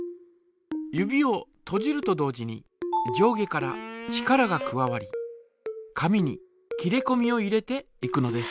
指をとじると同時に上下から力が加わり紙に切りこみを入れていくのです。